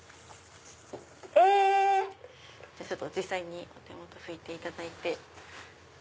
え⁉お手元拭いていただいて。